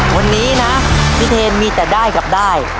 วันนี้นะพี่เทนมีแต่ได้กับได้